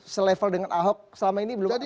selevel dengan ahok selama ini belum ada